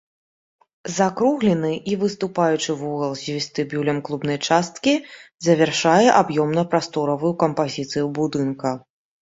Закруглены і выступаючы вугал з вестыбюлем клубнай часткі завяршае аб'ёмна-прасторавую кампазіцыю будынка.